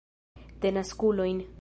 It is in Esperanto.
Denaskulojn!